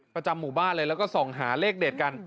ประจำหมู่บ้านเลยแล้วก็ส่องหาเลขเด็ดกัน